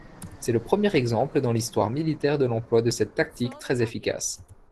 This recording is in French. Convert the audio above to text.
C'est le premier exemple dans l'histoire militaire de l'emploi de cette tactique très efficace.